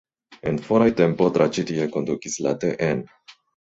En foraj tempoj tra ĉi tie kondukis la tn.